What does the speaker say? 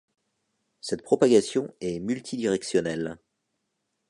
Cette propagation est multidirectionnelle.